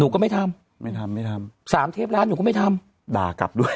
ก็ไม่ทำไม่ทำไม่ทำสามเทปร้านหนูก็ไม่ทำด่ากลับด้วย